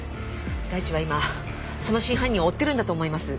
大地は今その真犯人を追ってるんだと思います。